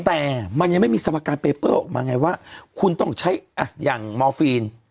แต่มันยังไม่มีสมการเปเปอร์ออกมาไงว่าคุณต้องใช้อ่ะอย่างมอร์ฟีน